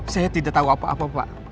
saya tidak tahu apa apa pak